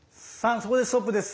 そこでストップです。